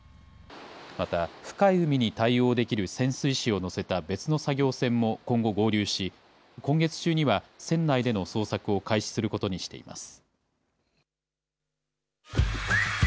また、深い海に対応できる潜水士を乗せた別の作業船も今後合流し、今月中には船内での捜索を開始することにしています。